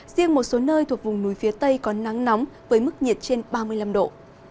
riêng một số nơi thuộc vùng núi phía tây có nắng nóng với mức nhiệt trên ba mươi năm độ